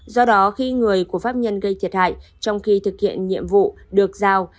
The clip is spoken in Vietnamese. do đó khi người của pháp nhân gây thiệt hại trong khi thực hiện nhiệm vụ được giao